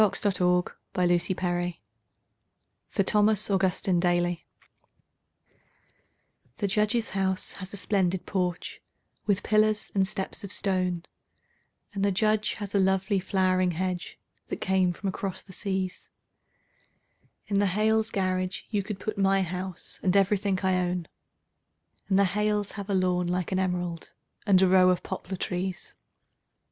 The Snowman in the Yard (For Thomas Augustine Daly) The Judge's house has a splendid porch, with pillars and steps of stone, And the Judge has a lovely flowering hedge that came from across the seas; In the Hales' garage you could put my house and everything I own, And the Hales have a lawn like an emerald and a row of poplar trees.